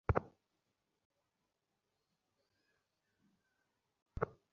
নাও, রামা।